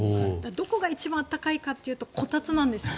どこが一番暖かいかというとこたつなんです。